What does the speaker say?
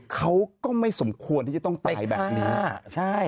เขาก็ไม่สมควรที่จะต้องตายแบบนี้ใช่